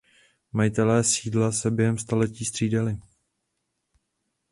Majitelé sídla se během staletí střídali.